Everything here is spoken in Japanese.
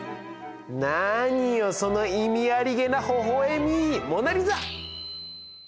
何よその意味ありげなほほ笑みモナ・リザ！